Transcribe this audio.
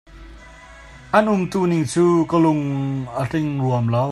An umtu ning cu ka lung a tling ruam lo.